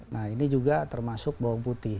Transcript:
nah ini juga termasuk bawang putih